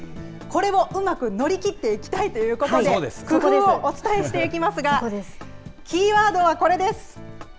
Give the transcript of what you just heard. これをうまく乗り切っていきたいということで、工夫をお伝えしていきますが、キーワードはこれです。